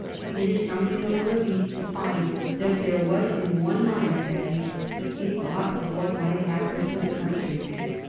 It is something of a relief to find that there was in one mind at least a thought of what might happen to the country.